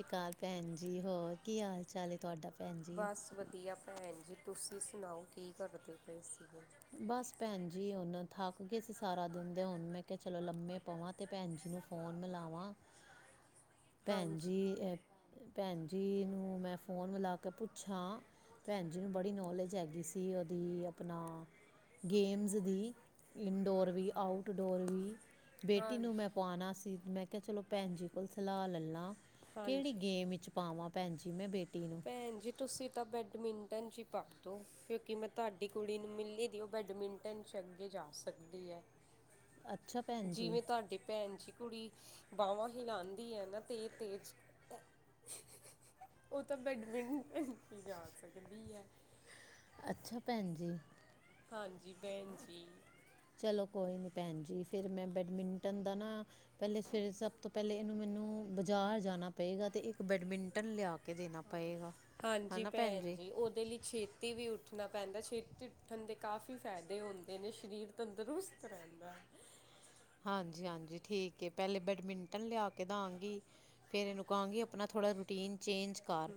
ਸਤਿ ਸ਼੍ਰੀ ਅਕਾਲ ਭੈਣ ਜੀ ਹੋਰ ਕੀ ਹਾਲ ਚਾਲ ਏ ਤੁਹਾਡਾ ਭੈਣ ਜੀ ਬਸ ਵਧੀਆ ਭੈਣ ਜੀ ਤੁਸੀਂ ਸੁਣਾਓ ਕੀ ਕਰਦੇ ਪਏ ਸੀਗੇ ਬਸ ਭੈਣ ਜੀ ਹੁਣ ਥੱਕ ਗਏ ਸੀ ਸਾਰਾ ਦਿਨ ਦੇ ਹੁਣ ਮੈਂ ਕਿਹਾ ਚਲੋ ਲੰਮੇ ਪਵਾਂ ਤੇ ਭੈਣ ਜੀ ਨੂੰ ਫੋਨ ਮਿਲਾਵਾਂ ਭੈਣ ਜੀ ਹਾਂਜੀ ਅ ਭੈਣ ਜੀ ਨੂੰ ਮੈਂ ਫੋਨ ਮਿਲਾ ਕੇ ਪੁੱਛਾਂ ਭੈਣ ਜੀ ਨੂੰ ਬੜੀ ਨੌਲੇਜ ਹੈਗੀ ਸੀ ਉਹਦੀ ਆਪਣਾ ਗੇਮਜ਼ ਦੀ ਇਨਡੋਰ ਵੀ ਆਊਟਡੋਰ ਵੀ ਬੇਟੀ ਨੂੰ ਹਾਂਜੀ ਮੈਂ ਪਾਉਣਾ ਸੀ ਮੈਂ ਕਿਹਾ ਚਲੋ ਭੈਣ ਜੀ ਕੋਲੋਂ ਸਲਾਹ ਲੈ ਲਾਂ ਕਿਹੜੀ ਹਾਂਜੀ ਗੇਮ ਵਿੱਚ ਪਾਵਾਂ ਭੈਣ ਜੀ ਮੈਂ ਬੇਟੀ ਨੂੰ ਭੈਣ ਜੀ ਤੁਸੀਂ ਤਾਂ ਬੈਡਮਿੰਟਨ 'ਚ ਹੀ ਪਾ ਦੋ ਕਿਉਂਕਿ ਮੈਂ ਤੁਹਾਡੀ ਕੁੜੀ ਨੂੰ ਮਿਲੀ ਦੀ ਉਹ ਬੈਡਮਿੰਟਨ 'ਚ ਅੱਗੇ ਜਾ ਸਕਦੀ ਐ ਅੱਛਾ ਭੈਣ ਜੀ ਜਿਵੇਂ ਤੁਹਾਡੇ ਭੈਣ ਜੀ ਕੁੜੀ ਬਾਂਵਾਂ ਹਿਲਾਾਂਉਂਦੀ ਐ ਨਾ ਤੇ ਤੇਜ਼ ਤੇਜ ਉਹ ਤਾਂ ਬੈਡਮਿੰਟਨ ਚ ਈ ਜਾ ਸਕਦੀ ਹੈ ਅੱਛਾ ਭੈਣ ਜੀ ਹਾਂਜੀ ਭੈਣ ਜੀ ਚਲੋ ਕੋਈ ਨੀ ਭੈਣ ਜੀ ਫਿਰ ਮੈਂ ਬੈਡਮਿੰਟਨ ਦਾ ਨਾ ਪੈਲੇ ਸਵੇਰੇ ਸਭ ਤੋਂ ਪੈਲੇ ਇਹਨੂੰ ਮੈਨੂੰ ਬਜ਼ਾਰ ਜਾਣਾ ਪਏਗਾ ਤੇ ਇੱਕ ਬੈਡਮਿੰਟਨ ਲਿਆ ਕੇ ਦੇਣਾ ਪਏਗਾ ਹਾਂਜੀ ਭੈਣ ਜੀ ਉਹਦੇ ਲਈ ਛੇਤੀ ਛੇਤੀ ਵੀ ਉੱਠਣਾ ਪੈਂਦਾ ਛੇਤੀ ਉੱਠਣ ਦੇ ਕਾਫ਼ੀ ਫਾਇਦੇ ਹੁੰਦੇ ਨੇ ਸਰੀਰ ਤੰਦਰੁਸਤ ਰਹਿੰਦਾ ਹਾਂਜੀ ਹਾਂਜੀ ਠੀਕ ਏ ਪੈਲੇ ਬੈਡਮਿੰਟਨ ਲਿਆ ਕੇ ਦਾਂਗੀ ਫੇਿਰ ਇਹਨੂੰ ਕਹਾਂਗੀ ਆਪਣਾ ਥੋੜ੍ਹਾ ਰੂਟੀਨ ਚੇਂਜ ਕਰ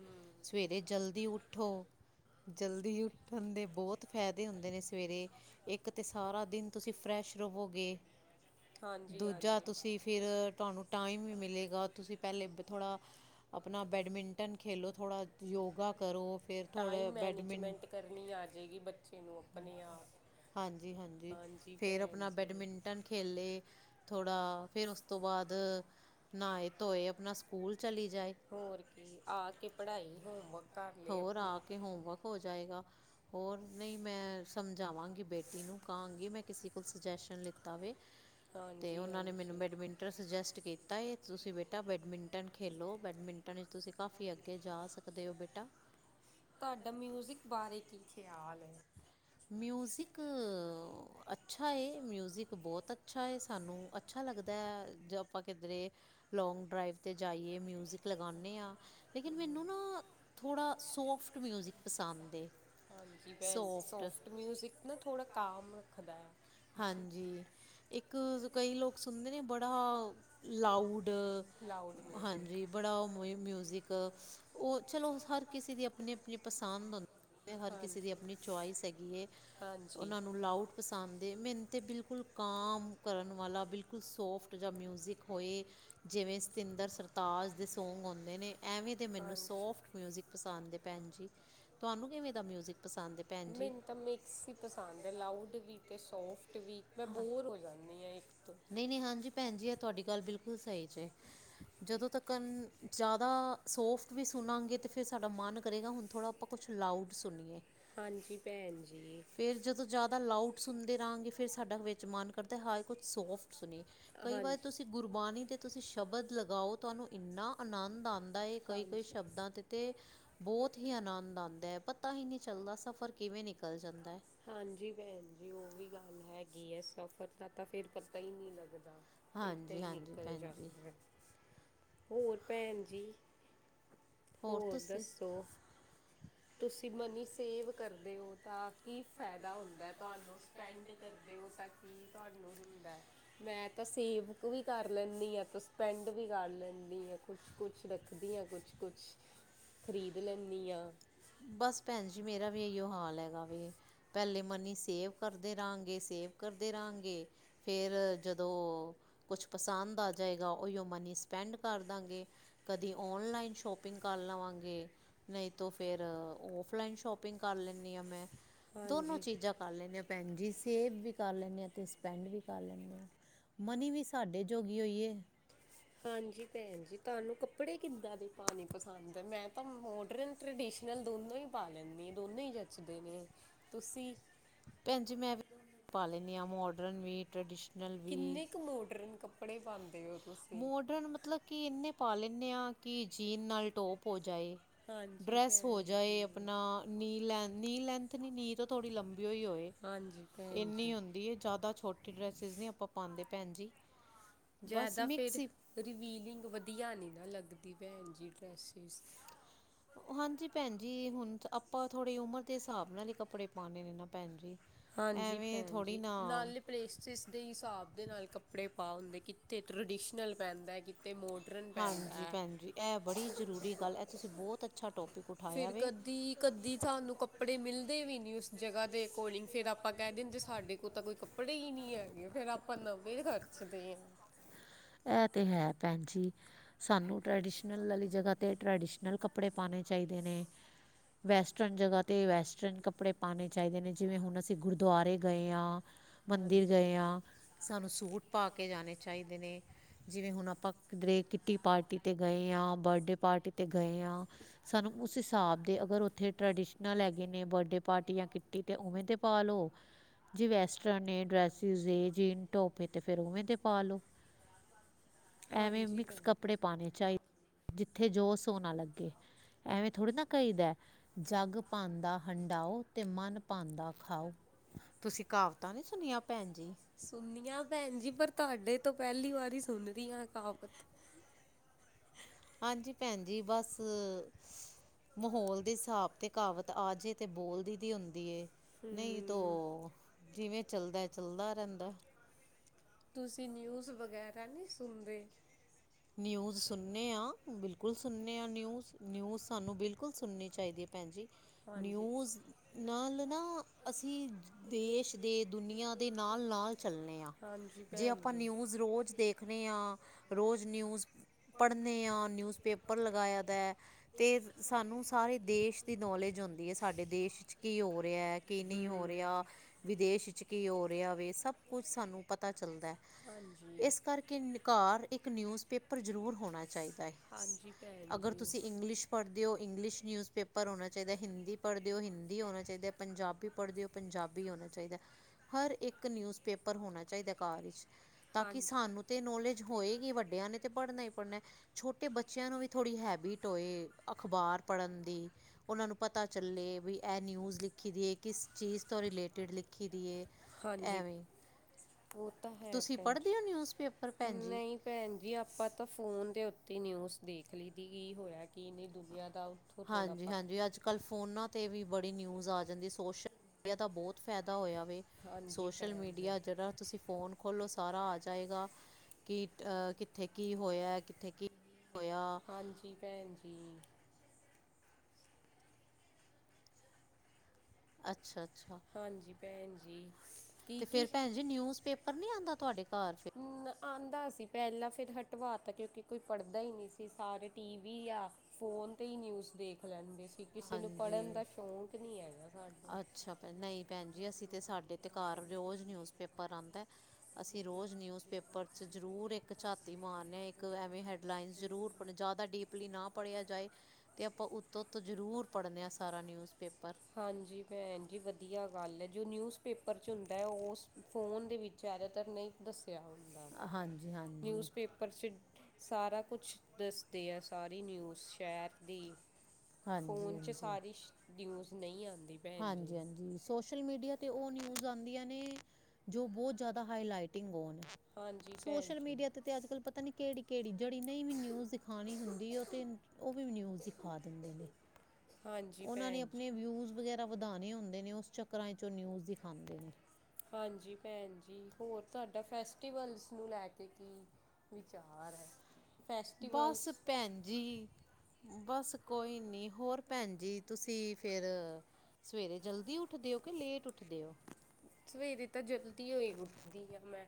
ਸਵੇਰੇ ਜਲਦੀ ਉੱਠੋ ਜਲਦੀ ਉੱਠਣ ਦੇ ਬਹੁਤ ਫੈਦੇ ਹੁੰਦੇ ਨੇ ਸਵੇਰੇ ਇੱਕ ਤੇ ਸਾਰਾ ਦਿਨ ਤੁਸੀਂ ਫਰੈਸ਼ ਰਵੋਗੇ ਹਾਂਜੀ ਹਾਂਜੀ ਦੂਜਾ ਤੁਸੀਂ ਫਿਰ ਤੁਹਾਨੂੰ ਟਾਈਮ ਵੀ ਮਿਲੇਗਾ ਤੁਸੀਂ ਪੈਲੇ ਥੋੜ੍ਹਾ ਆਪਣਾ ਬੈਡਮਿੰਟਨ ਖੇਲੋ ਥੋੜਾ ਯੋਗਾ ਕਰੋ ਫਿਰ ਟਾਈਮ ਥੋੜਾ ਮੈਨੇਜਮੈਂਟ ਬੈਡਮਿੰਨਟ ਕਰਨੀ ਆ ਜਾਵੇਗੀ, ਬੱਚੇ ਨੂੰ ਆਪਣੇ ਆਪ। ਹਾਂਜੀ, ਹਾਂਜੀ ਫੇਰ ਭੈਣ ਆਪਣਾ ਜੀ ਬੈਡਮਿੰਟਨ ਖੇਲੇ ਥੋੜ੍ਹਾ ਫਿਰ ਉਸ ਤੋਂ ਬਾਅਦ ਨਹਾਏ ਧੋਏ ਆਪਣਾ ਸਕੂਲ ਚਲੀ ਜਾਏ। ਹੋਰ ਕੀ ਆ ਕੇ ਪੜ੍ਹਾਈ ਹੋਮਵਰਕ ਕਰ ਲਏ ਹੋਰ ਆ ਆਪਣਾ। ਕੇ ਹੋਮਵਰਕ ਹੋ ਜਾਏਗਾ ਹੋਰ ਨਹੀਂ। ਮੈਂ ਸਮਝਾਵਾਂਗੀ ਬੇਟੀ ਨੂੰ ਕਹਾਂਗੀ ਮੈਂ ਕਿਸੇ ਕੋਲ ਸੁਜੈਸ਼ਨ ਲਿੱਤਾ ਵਵੇ ਅਤੇ ਹਾਂਜੀ ਉਹਨਾਂ ਨੇ ਮੈਨੂੰ ਹਾਂਜੀ ਬੈਡਮਿੰਟ ਅਸੀ ਸੁਜੈਸਟ ਕੀਤਾ ਹੈ ਤੁਸੀਂ ਬੇਟਾ ਬੈਡਮਿੰਟਨ ਖੇਲੋ ਬੈਡਮਿੰਟਨ ਵਿੱਚ ਤੁਸੀਂ ਕਾਫੀ ਅੱਗੇ ਜਾ ਸਕ ਕਦੇਓ ਬੇਟਾ ਤੁਹਾਡਾ ਮਿਊਜ਼ਿਕ ਬਾਰੇ ਕੀ ਖਿਆਲ ਏ। ਮਿਊਜ਼ਿਕ ਅੱਛਾ ਹੈ ਮਿਊਜ਼ਿਕ ਬਹੁਤ ਅੱਛਾ ਹੈ ਸਾਨੂੰ ਅ ਅੱਛਾ ਲੱਗਦਾ ਜੇ ਆਪਾਂ ਕਿਧਰੇ ਲੌਂਗ ਡਰਾਈਵ 'ਤੇ ਜਾਈਏ ਮਿਊਜ਼ਿਕ ਲਗਾਉਂਦੇ ਹਾਂ। ਲੇਕਿਨ ਮੈਨੂੰ ਨਾ ਥੋੜਾ ਸੋਫਟ ਮਿਜਿਕ ਪਸੰਦ ਏ। ਹਾਂਜੀ ਭੈਣ ਸੋਫਟ ਮਿਊਜਿਕ ਨਾ ਥੋੜਾ ਕਾਮ ਰੱਖਦਾ ਆ। ਹਾਂਜੀ ਇੱਕ ਕਈ ਲੋਕ ਸੁਣਦੇ ਨੇ ਬੜਾ ਲਾਊਡ ਲਾਊਡ ਮਿਊਜ਼ਿਕ ਹਾਂਜੀ। ਬੜਾ ਉਹ ਮਿਊਜਿਕ ਉਹ ਚਲੋ ਹਰ ਕਿਸੇ ਦੀ ਆਪਣੀ ਆਪਣੀ ਪਸੰਦ ਹੁੰਦੀ ਜਿ ਹਰ ਕਿਸੇ ਦੀ ਹਾਂਜੀ ਆਪਣੀ ਚੁਆਇਸ ਹੈਗੀ ਹੈ ਹਾਂਜੀ। ਉਹਨਾ ਨੂੰ ਲਾਊਟ ਪਸੰਦ ਅਤੇ ਮੈਨੂੰ ਤਾਂ ਬਿਲਕੁਲ ਕਾਮ ਕਰਨ ਵਾਲਾ ਬਿਲਕੁਲ ਸੋਫਟ ਜਾਂ ਮਿਊਜ਼ਿਕ ਹੋਏ ਜਿਵੇਂ ਸਤਿੰਦਰ ਸਰਤਾਜ ਦੇ ਸੌਂਗ ਆਉਂਦੇ ਨੇ ਐਵੇਂ ਦੇ ਮੈਨੂੰ ਹਾਂਜੀ। ਸੋਫਟ ਮਿਊਜ਼ਿਕ ਪਸੰਦ ਹੈ ਭੈਣ ਜੀ। ਤੁਹਾਨੂੰ ਕਿਵੇਂ ਦਾ ਮਿਊਜਿਕ ਪਸੰਦ ਹੈ ਭੈਣ ਜੀ? ਮੈਨੂੰ ਤਾਂ ਮਿਕਸ ਹੀ ਪਸੰਦ ਹੈ ਲਾਊਡ ਵੀ ਅਤੇ ਸੋਫਟ ਵੀ ਮੈਂ ਬੋਰ ਹੋ ਜਾਂਦੀ ਹਾਂ ਇੱਕ ਤੋਂ। ਨਹੀਂ ਨਹੀਂ ਹਾਂਜੀ ਭੈਣ ਜੀ ਹੈ ਤੁਹਾਡੀ ਗੱਲ ਬਿਲਕੁਲ ਸਹੀ 'ਜੇ ਜਦੋਂ ਤੱਕਨ ਜ਼ਿਆਦਾ ਸੋਫਟ ਵੀ ਸੁਣਾਂਗੇ ਤਾਂ ਫਿਰ ਸਾਡਾ ਮਨ ਕਰੇਗਾ ਹੁਣ ਥੋੜ੍ਹਾ ਆਪਾਂ ਕੁਛ ਲਾਊਡ ਸੁਣੀਏ। ਹਾਂਜੀ ਭੈਣ ਜੀ। ਫਿਰ ਜਦੋਂ ਜ਼ਿਆਦਾ ਲਾਊਡ ਸੁਣਦੇ ਰਹਾਂਗੇ ਫਿਰ ਸਾਡਾ ਵਿੱਚ ਮਨ ਕਰਦਾ ਹਾ ਕੁਛ ਸੋਫਟ ਸੁਣੀ ਕਈ ਵਾਰ ਹਾਂਜੀ ਤੁਸੀਂ ਗੁਰਬਾਣੀ ਤੇ ਤੁਸੀਂ ਸ਼ਬਦ ਲਗਾਓ ਤੁਹਾਨੂੰ ਇੰਨਾ ਆਨੰਦ ਆਉਂਦਾ ਇਹ ਕਈ ਕਈ ਹਾਂਜੀ ਸ਼ਬਦਾਂ ਤੇ ਅਤੇ ਬਹੁਤ ਹੀ ਆਨੰਦ ਆਉਂਦਾ ਹੈ ਪਤਾ ਹੀ ਨਹੀਂ ਚੱਲਦਾ ਸਫ਼ਰ ਕਿਵੇਂ ਨਿਕਲ ਜਾਂਦਾ ਹੈ। ਹਾਂਜੀ ਭੈਣ ਜੀ ਉਹ ਵੀ ਗੱਲ ਹੈਗੀ ਹੈ ਸਫ਼ਰ ਦਾ ਤਾਂ ਫਿਰ ਪਤਾ ਹੀ ਨਹੀਂ ਲੱਗਦਾ। ਏਦਾਂ ਹਾਂਜੀ ਹੀ ਹਾਂਜੀ ਨਿਕਲ ਭੈਣ ਜੀ ਜਾਂਦਾ ਹੈ ਹੋਰ ਭੈਣ ਜੀ। ਹੋਰ ਤੁਸੀਂ ਹੋਰ ਦੱਸੋ ਤੁਸੀਂ ਮਨੀ ਸੇਵ ਕਰਦੇ ਹੋ ਤਾਂ ਕੀ ਫਾਇਦਾ ਹੁੰਦਾ ਤੁਹਾਨੂੰ। ਸਪੈਂਡ ਕਰਦੇ ਹੋ ਤਾਂ ਕੀ ਤੁਹਾਨੂੰ ਹੁੰਦਾ ਮੈਂ ਤਾਂ ਸੇਵ ਵੀ ਕਰ ਲੈਂਦੀ ਹਾਂ, ਸਪੈਂਟ ਵੀ ਕਰ ਲੈਂਦੀ ਹਾਂ, ਕੁਛ ਕੁਛ ਰੱਖਦੀ ਹਾਂ, ਕੁਛ ਕੁਛ ਖ਼ਰੀਦ ਲੈਂਦੀ ਹਾਂ। ਬਸ ਭੈਣ ਜੀ ਮੇਰਾ ਵੀ ਇਹੀਓ ਹਾਲ ਹੈਗਾ ਵੇ। ਪਹਿਲੇ ਮਨੀ ਸੇਵ ਕਰਦੇ ਰਹਾਂਗੇ, ਸੇਵ ਕਰਦੇ ਰਹਾਂਗੇ ਫੇਰ ਜਦੋਂ ਕੁਛ ਪਸੰਦ ਆ ਜਾਏਗਾ ਉਹੀਓ ਮਨੀ ਸਪੈਂਡ ਕਰ ਦਾਂਗੇ। ਕਦੀ ਔਨਲਾਈਨ ਸ਼ੋਪਿੰਗ ਕਰ ਲਵਾਂਗੇ। ਨਹੀਂ ਤੋਂ ਫੇਰ ਔਫਲਾਈਨ ਸ਼ੋਪਿੰਗ ਕਰ ਲੈਦੀ ਆ ਮੈਂ ਦੋਨੋ ਹਾਂਜੀ ਚੀਜ਼ਾਂ ਕਰ ਲੈਣੀ ਹਾਂ ਭੈਣ ਜੀ ਸੇਵ ਵੀ ਕਰ ਲੈਣੇ ਆਂ ਤੇ ਸਪੈਂਡ ਵੀ ਕਰ ਲੈਣੇ ਹਾਂ। ਮਨੀ ਵੀ ਸਾਡੇ ਜੋਗੀ ਹੋਈਏ। ਹਾਂਜੀ ਭੈਣ ਜੀ ਤੁਹਾਨੂੰ ਕੱਪੜੇ ਕਿੱਦਾਂ ਦੇ ਪਾਨੇ ਪਸੰਦ ਐ ਮੈਂ ਤਾਂ ਮੋਡਰਨ ਟਰਡੀਸ਼ਨਲ ਦੋਨੋਂ ਈ ਪਾ ਲੈਨੀਂ ਆ, ਦੋਨੋਂ ਈ ਜੱਚਦੇ ਨੇ, ਤੁਸੀਂ? ਭੈਣ ਜੀ ਮੈਂ ਵੀ ਪਾ ਲੈਂਨੀ ਆ ਮੋਡਰਨ ਵੀ, ਟਰਡੀਸ਼ ਕਿੰਨੇ ਕ ਮੋਡਰਨ ਕੱਪੜੇ ਪਾਂਦੇ ਓ? ਮੋਡਰਨ ਮਤਲਬ ਕਿ ਇੰਨੇ ਪਾ ਲੈਂਨੇ ਆ ਕਿ ਜੀਨ ਨਾਲ ਟੋਪ ਹੋ ਜਾਏ। ਹਾਂ। ਡਰੈਸ ਹੋ ਜਾਏ ਆਪਣਾ ਨੀ ਲ ਨੀ ਲੈਂਥ ਨੀ, ਨੀ ਤੋਂ ਥੋੜੀ ਲੰਬੀ ਹੋਈ ਹੋਏ। ਹਾਂਜੀ ਭੈਣ ਜੀ ਏਨੀ ਹੁੰਦੀ ਏ ਜਿਆਦਾ ਛੋਟੀ ਡਰੈਸਿਸ ਨੀ ਆਪਾਂ ਪਾਂਦੇ ਭੈਣ ਜੀ। ਬਸ ਜਿਆਦਾ ਮਿਕਸ ਫੇਟ ਹੀ ਰਿਵੀਲਿੰਗ ਵਧੀਆ ਨੀ ਨਾ ਲੱਗਦੀ ਭੈਣ ਜੀ ਡਰੈਸਿਸ। ਹਾਂਜੀ ਭੈਣ ਜੀ ਹੁਣ ਤਾਂ ਆਪਾਂ ਥੋੜੀ ਉਮਰ ਦੇ ਹਿਸਾਬ ਨਾਲ ਈ ਕੱਪੜੇ ਪਾਣੇ ਨੇ ਨਾ ਭੈਣ ਜੀ। ਹਾਂਜੀ ਐਵੇਂ ਭੈਣ ਥੋੜ੍ਹੀ ਜੀ ਨਾ ਨਾਲੇ ਪਲੇਸਿਸ ਦੇ ਹਿਸਾਬ ਦੇ ਨਾਲ ਕੱਪੜੇ ਪਾ ਹੁੰਦੇ ਕਿੱਥੇ ਟਰਡੀਸ਼ਨਲ ਪੈਂਦਾ, ਕਿ ਤੇ ਮੋਡਰਨ ਹਾਂਜੀ ਪੈਂਦਾ। ਭੈਣ ਜੀ ਇਹ ਬੜੀ ਜ਼ਰੂਰੀ ਗੱਲ ਹੈ ਤੁਸੀਂ ਬੋਤ ਅੱਛਾ ਟੋਪਿਕ ਉਠਾਇਆ ਫਿਰ ਵੇ ਕਦੀ-ਕਦੀ ਸਾਨੂੰ ਕੱਪੜੇ ਮਿਲਦੇ ਵੀ ਨੀ ਉਸ ਜਗਾ ਦੇ ਕੋਲਿੰਗ ਫੇਰ ਆਪਾਂ ਕਹਿ ਦਿੰਦੇ ਸਾਡੇ ਕੋਲ ਤਾਂ ਕੋਈ ਕੱਪੜੇ ਈ ਨੀ ਹੈਗੇ ਫੇਰ ਆਪਾਂ ਨਵੇਂ ਖਰਚਦੇ ਆ। ਐ 'ਤੇ ਹੈ ਭੈਣ ਜੀ। ਸਾਨੂੰ ਟਰਡੀਸ਼ਨਲ ਆਲੀ ਜਗਾ 'ਤੇ ਟਰਡੀਸ਼ਨਲ ਕੱਪੜੇ ਪਾਨੇ ਚਾਈਦੇ ਨੇ ਵੈਸਟਰਨ ਜਗਾ 'ਤੇ ਵੈਸਟਰਨ ਕੱਪੜੇ ਪਾਨੇ ਚਾਈਦੇ ਨੇ ਜਿਵੇਂ ਹੁਣ ਅਸੀਂ ਗੁਰਦੁਆਰੇ ਗਏ ਆ ਮੰਦਿਰ ਹਾਂਜੀ ਗਏ ਆ ਸਾਨੂੰ ਸੂਟ ਪਾ ਕੇ ਜਾਣੇ ਚਾਈਦੇ ਨੇ। ਜਿਵੇਂ ਹੁਣ ਆਪਾਂ ਕਿਧਰੇ ਕਿੱਟੀ ਪਾਰਟੀ 'ਤੇ ਗਏ ਆ, ਬਰਡੇ ਪਾਰਟੀ 'ਤੇ ਗਏ ਆ। ਸਾਨੂੰ ਉਸ ਹਿਸਾਬ ਦੇ ਅਗਰ ਉੱਥੇ ਟਰੈਡੀਸ਼ਨਲ ਹੈਗੇ ਨੇ ਬਰਡੇ ਪਾਰਟੀ ਜਾਂ ਕਿ ਟੀ 'ਤੇ ਉਵੇਂ ਦੇ ਪਾ ਲੋ ਜੇ ਵੈਸਟਰਨ ਏ, ਡਰੈਸਿਸ ਏ, ਜੀਨ ਟੋਪ ਏ 'ਤੇ ਫੇਰ ਉਵੇਂ ਦੇ ਪਾਲੋ। ਐਵੇਂ ਹਾਂਜੀ ਮਿਕਸ ਭੈਣ ਕੱਪੜੇ ਪਾਣੇ ਚਾਈ, ਜਿੱਥੇ ਜੋ ਸੋਨਾ ਲੱਗੇ। ਐਵੇਂ ਥੋੜੀ ਨਾ ਕਈ‌ ਦੈ। ਜਗ ਭਾਉਂਦਾ ਹੰਢਾਓ 'ਤੇ ਮਨ ਭਾਉਂਦਾ ਖਾਓ। ਤੁਸੀਂ ਕਹਾਵਤਾਂ ਨੀ ਸੁਣੀਆਂ ਭੈਣ ਜੀ? ਸੁਣੀ ਆ ਭੈਣ ਜੀ ਪਰ ਤੁਹਾਡੇ ਤੋਂ ਪਹਿਲੀ ਵਾਰੀ ਸੁਣ ਰੀਆ ਕਹਾਵਤ। ਹਾਂਜੀ ਭੈਣ ਜੀ ਬਸ ਮਾਹੌਲ ਦੇ ਹਿਸਾਬ 'ਤੇ ਕਹਾਵਤ ਆ ਜੇ 'ਤੇ ਬੋਲਦੀ ਦੀ ਹੁੰਦੀ ਏ। ਨਈ ਹਮ ਤੋਂ ਜਿਵੇਂ ਚੱਲਦਾ, ਚੱਲਦਾ ਰਹਿੰਦਾ। ਤੁਸੀਂ ਨਿਊਜ਼ ਵਗੈਰਾ ਨੀ ਸੁਨਦੇ? ਨਿਊਜ਼ ਸੁਨੇ ਆ, ਬਿਲਕੁੱਲ ਸੁਨੇ ਆ ਨਿਊਜ਼, ਨਿਊਜ਼ ਸਾਨੂੰ ਬਿਲਕੁੱਲ ਸੁਨੀ ਚਾਈਦੀ ਏ ਭੈਣ ਜੀ ਹਾਂਜੀ ਨਿਊਜ਼ ਨਾਲ ਨਾ ਅਸੀਂ ਦੇਸ਼ ਦੇ, ਦੁਨੀਆਂ ਦੇ ਨਾਲ-ਨਾਲ ਚੱਲਨੇ ਆ, ਹਾਂਜੀ ਜੇ ਭੈਣ ਆਪਾਂ ਜੀ ਨਿਊਜ਼ ਰੋਜ਼ ਦੇ ਖਨੇ ਆ, ਰੋਜ਼ ਨਿਊਜ਼ ਪੜਨੇ ਆ, ਨਿਊਜ਼ ਪੇਪਰ ਲਗਾਇਆ ਦਾ ਐ 'ਤੇ ਸਾਨੂੰ ਸਾਰੇ ਦੇਸ਼ ਦੀ ਨੌਲੇਜ ਹੁੰਦੀ ਏ, ਸਾਡੇ ਦੇਸ਼ 'ਚ ਕੀ ਹੋ ਰੇ ਐ ਕੀ ਨੀ ਹੋ ਰੇਆ, ਹਮ ਵਿਦੇਸ਼ 'ਚ ਕੀ ਹੋ ਰੇਆ ਵੇ ਸਭ ਕੁੱਛ ਸਾਨੂੰ ਪਤਾ ਚੱਲਦੈ। ਹਾਂਜੀ ਇਸ ਕਰਕੇ ਨ ਕਾਰ ਇੱ ਕ ਨਿਊਜ਼ ਪੇਪਰ ਜ਼ਰੂਰ ਹੋਣਾ ਚਾਈਦਾ ਐ, ਹਾਂਜੀ ਭੈਣ ਅਗਰ ਜੀ ਤੁਸੀਂ ਇੰਗਲਿਸ਼ ਪੜਦੇ ਓ ਇੰਗਲਿਸ਼ ਨਿਊਜ਼ ਪੇਪਰ ਹੋਣਾ ਚਾਈਦੈ, ਹਿੰਦੀ ਪੜਦੇ ਓ ਹਿੰਦੀ ਹੋਣਾ ਚਾਈਦੈ, ਪੰਜਾਬੀ ਪੜਦੇ ਓ ਪੰਜਾਬੀ ਹੋਣਾ ਚਾਈਦੈ, ਹਰ ਇੱਕ ਨਿਊਜ਼ ਪੇਪਰ ਹੋਣਾ ਚਾਈਦੈ ਘਾਰ ਵਿਚ। ਤਾਂ ਕਿ ਹਾਂਜੀ ਸਾਨੂੰ 'ਤੇ ਨੌਲੇਜ ਹੋਏਗੀ ਵੱਡਿਆਂ ਨੇ 'ਤੇ ਪੜਨਾ ਈ ਪੜਨੈ ਛੋਟੇ ਬੱਚਿਆਂ ਨੂੰ ਵੀ ਥੋੜ੍ਹੀ ਹੈਬਿਟ ਹੋਏ ਅਖਬਾਰ ਪੜ੍ਹਨ ਦੀ ਉਹਨਾ ਨੂੰ ਪਤਾ ਚੱਲੇ, ਵੀ ਐਹ ਨਿਊਜ ਲਿਖੀ ਦੀ ਏ, ਕਿਸ ਚੀਜ਼ ਤੋਂ ਰਿਲੇਟੀਡ ਲਿਖ ਲਿੱਖੀ ਦੀ ਏ ਹਾਂਜੀ ਐਵੇਂ ਉਹ ਤਾਂ ਹੈ ਤੁਸੀਂ ਫਨ ਪੜ੍ਹਦੇ ਹੋ ਨਿਊਜ਼ਪੇਪਰ ਭੈਣ ਜੀ ਨਈ ਭੈਣ ਜੀ ਆਪਾਂ ਤਾਂ ਫੋਨ ਦੇ ਉੱਤੇ ਨਿਊਜ਼ ਦੇਖ ਲਈ ਦੀ ਏ ਹੋਇਆ ਕਿ ਇੰਨੀ ਦੁਨੀਆ ਦਾ ਥੋੜ੍ਹਾ ਹਾਂਜੀ- ਪਤਾ ਹਾਂਜੀ। ਅੱਜ-ਕੱਲ੍ਹ ਫੋਨਾਂ ਤੇ ਵੀ ਬੜੀ ਨਿਊਜ਼ ਆ ਜਾਂਦੀ, ਸੋਸ਼ਲ ਦਾ ਤਾ ਬੋਤ ਫਾਇਦਾ ਹੋਇਆ ਵੇ, ਹਾਂਜੀ ਸੋਸ਼ਲ ਭੈਣ ਜੀ ਮੀਡੀਆ ਜਿਹੜਾ ਤੁਸੀਂ ਫੋਨ ਖੋਲੋ ਸਾਰਾ ਆ ਜਾਏਗਾ। ਕੀ ਕਿਟ-ਕਿੱਥੇ ਕੀ ਹੋਇਆ, ਕਿੱਥੇ ਕੀ ਨੀ ਹੋਇਆ। ਹਾਂਜੀ, ਭੈਣ ਜੀ‌। ਅੱਛਾ-ਅੱਛਾ। ਹਾਂਜੀ, ਭੈਣ ਜੀ। ਕੀ ਤੇ ਫੇਰ ਕੀ ਭੈਣ ਜੀ, ਨਿਊਜ਼ ਪੇਪਰ ਨੀ ਆਦਾ ਤੁਆਡੇ ਘਰ ਫ? ਹੂੰ ਆਦਾ ਸੀ ਪਹਿਲਾਂ ਫਿਰ ਹਟਵਾ ਤਾ ਕਿਉਂਕਿ ਕੋਈ ਪੜ੍ਹਦਾ ਹੀ ਨਈ ਸੀ, ਸਾਰੇ ਟੀ ਵੀ ਯਾ ਫੋਨ ਤੇ ਹੀ ਨਿਊਜ਼ ਦੇਖ ਲੈਂਦੇ ਸੀ, ਕਿਸੇ ਨੂੰ ਪੜ੍ਹਨ ਹਾਂਜੀ ਦਾ ਸ਼ੌਕ ਨਹੀਂ ਹੈਗਾ ਸਾਡੇ। ਅੱਛਾ ਭੈ ਨਈ ਭੈਣ ਜੀ, ਅਸੀਂ ਤੇ ਸਾਡੇ ਤੇ ਘਰ ਰੋਜ਼ ਨਿਊਜ਼ ਪੇਪਰ ਆਂਦਾ ਐ। ਅਸੀਂ ਰੋਜ ਨਿਊਜ ਪੇਪਰ ਚ ਜਰੂਰ ਇੱਕ ਝਾਤੀ ਮਾਰਨ ਆ ਇੱਕ ਐਵੇਂ ਹੈਡ ਲਾਈਨ ਜਰੂਰ ਆਪ ਜ਼ਿਆਦਾ ਡੀਪਲੀ ਨਾ ਪੜ੍ਹਿਆ ਜਾਏ ਤੇ ਆਪਾਂ ਉੱਤੋ- ਉੱਤੋ ਜ਼ਰੂਰ ਪੜ੍ਹਨੇ ਆਂ ਸਾਰਾ ਨਿਊਜ਼ ਪੇਪਰ। ਹਾਂਜੀ ਭੈਣ ਜੀ ਵਧੀਆ ਗੱਲ ਏ, ਜੋ ਨਿਊਜ਼ ਪੇਪਰ 'ਚ ਹੁੰਦਾ ਓ ਉਸ ਫੋਨ ਦੇ ਵਿੱਚ ਜ਼ਿਆਦਾਤਰ ਨਈ ਦੱਸਿਆ ਹੁੰਦਾ, ਹਾਂਜੀ ਹਾਂਜੀ ਨਿਊਜ਼ ਪੇਪਰ ਪੇਪਰ ਚ ਸਾਰਾ ਕੁਛ ਦੱਸਦੇ ਆ, ਸਾਰੀ ਨਿਊਜ਼ ਸ਼ਹਿਰ ਦੀ ਹਾਂਜੀ ਫੋਨ 'ਚ ਹਾਂਜੀ ਸਾਰੀ ਸ਼ ਨਿਊਜ਼ ਨਈ ਆਂਦੀ। ਹਾਂਜੀ ਹਾਂਜੀ। ਸੋਸ਼ਲ ਮੀਡੀਆ ਤੇ ਓ ਨਿਊਜ਼ ਆਂਦੀਆਂ ਨੇ ਜੋ ਬੋਤ ਜਿਆਦਾ ਹਾਈਲਾਈਟਿੰਗ ਹੋਣ। ਹਾਂਜੀ। ਭੈਣ ਸੋਸ਼ਲ- ਜੀ ਮੀਡੀਆ ਤੇ ਤੇ ਅੱਜ- ਕੱਲ੍ਹ ਪਤਾ ਨੀ ਕਿਹੜੀ- ਕਿਹੜੀ ਜਿਹੜੀ ਨਹੀਂ ਵੀ ਨਿਊਜ਼ ਦਿਖਾਉਣੀ ਹੁੰਦੀ, ਉਹ ਤੇ ਉਹ ਵੀ ਨਿਊਜ਼ ਦਿਖਾ ਦਿੰਦੇ ਨੇ, ਹਾਂਜੀ ਉਹਨਾਂ ਨੇ ਭੈਣ ਜੀ ਆਪਣੇ ਵਿਊ ਵਧਾਣੇ ਹੁੰਦੇ ਨੇ, ਉਸ ਚੱਕਰਾਂ ਚ ਨਿਊਜ਼ ਦਿਖਾਉਂਦੇ ਨੇ। ਹਾਂਜੀ, ਭੈਣ ਜੀ ਹੋਰ ਤੁਹਾਡਾ ਫੈਸਟੀਵਲਸ ਨੂੰ ਲੈ ਕੇ ਕੀ ਵਿਚਾਰ ਐ, ਫੈਸਟੀਵਲਸ ਬਸ ਭੈਣ ਜੀ। ਬਸ ਕੋਈ ਨੀ ਹੋਰ ਭੈਣ ਜੀ, ਤੁਸੀਂ ਫੇਰ ਸਵੇਰੇ ਜਲਦੀ ਉੱਠਦੇ ਓ, ਕਿ ਲੇਟ ਉੱਠਦੇ ਓ? ਸਵੇਰੇ ਤਾਂ ਜਲਦੀ ਹੋਈ ਉੱਠਦੀ ਆ ਮੈਂ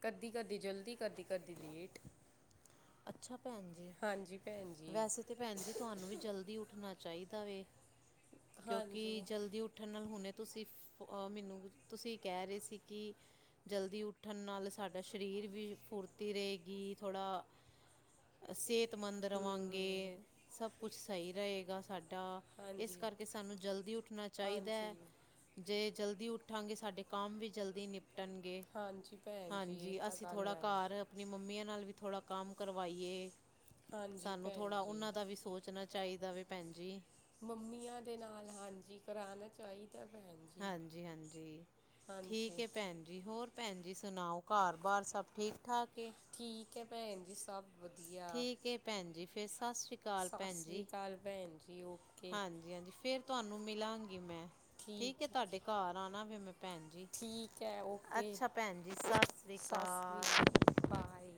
ਕਦੀ-ਕਦੀ ਜਲਦੀ, ਕਦੀ-ਕਦੀ ਲੇਟ ਅੱਛਾ, ਭੈਣ ਜੀ। ਹਾਂਜੀ ਭੈਣ ਜੀ ਵੈਸੇ ਤੇ ਭੈਣ ਜੀ, ਤੁਹਾਨੂੰ ਵੀ ਜਲਦੀ ਉੱਠਣਾ ਚਾਹੀਦਾ ਵੈ ਹਾਂਜੀ ਕਿਉਂਕਿ ਜਲਦੀ ਉੱਠਣ ਨਾਲ ਹੁਣੇ ਤੁਸੀਂ ਫ ਅਹ ਮੈਨੂੰ ਤੁਸੀਂ ਕਹਿ ਰਹੇ ਸੀ ਕੀ ਜਲਦੀ ਉੱਠਣ ਨਾਲ ਸਾਡਾ ਸਰੀਰ ਵੀ ਫੁਰਤੀ ਰਹੇਗੀ, ਥੋੜ੍ਹਾ ਸਿਹਤਮੰਦ ਰਵਾਂਗੇ ਸਭ ਕੁਛ ਸਹੀ ਰਹੇਗਾ ਸਾਡਾ, ਇਸ ਹਾਂਜੀ ਕਰਕੇ ਸਾਨੂੰ ਜਲਦੀ ਉੱਠਣਾ ਚਾਈਦਾ ਐ। ਹਾਂਜੀ ਜੇ ਜਲਦੀ ਉੱਠਾਂਗੇ, ਸਾਡੇ ਕੰਮ ਵੀ ਜਲਦੀ ਨਿਪਟਣਗੇ। ਹਾਂਜੀ ਭੈਣ ਜੀ ਇਹ ਹਾਂਜੀ, ਤਾਂ ਅਸੀਂ ਗੱਲ ਥੋੜ੍ਹਾ ਹੈ ਘਰ ਆਪਣੀ ਮੰਮੀਆਂ ਨਾਲ ਵੀ ਥੋੜਾ ਕੰਮ ਕਰਵਾਈਏ। ਹਾਂਜੀ ਸਾਨੂੰ ਭੈਣ ਥੋੜ੍ਹਾ ਜੀ ਉਹਨਾਂ ਦਾ ਵੀ ਸੋਚਣਾ ਚਾਈਦਾ ਵੇ ਭੈਣ ਜੀ ਮੰਮੀਆਂ ਦੇ ਨਾਲ, ਹਾਂਜੀ ਕਰਾਣਾ ਚਾਹੀਦਾ। ਤਾਂ ਭੈਣ ਜੀ ਹਾਂਜੀ ਹਾਂਜੀ ਠੀਕ ਹਾਂਜੀ ਹੈ ਭੈਣ ਜੀ ਹੋਰ ਭੈਣ ਜੀ ਸੁਣਾਓ, ਘਰ ਬਾਰ ਸਬ ਠੀਕ ਠਾਕ ਐ ਠੀਕ ਹੈ ਭੈਣ ਜੀ ਸਭ ਵਧੀਆ ਠੀਕ ਏ ਭੈਣ ਜੀ ਫੇਰ ਸਤਿ ਸ੍ਰੀ ਅਕਾਲ ਸਤਿ ਭੈਣ ਜੀ, ਸ਼੍ਰੀ ਅਕਾਲ ਭੈਣ ਜੀ ਓਕੇ ਹਾਂਜੀ ਹਾਂਜੀ ਫੇਰ ਤੁਹਾਨੂੰ ਮਿਲਾਂਗੀ ਮੈਂ ਠੀਕ ਏ ਤੁਹਾਡੇ ਘਰ ਆਣਾ ਫੇਰ ਮੈਂ ਭੈਣ ਜੀ, ਠੀਕ ਹੈ ਓਕੇ ਅੱਛਾ ਭੈਣ ਜੀ ਸੱਸ ਸਤਿ ਸ੍ਰੀ ਅਕਾਲ ਬਾਏ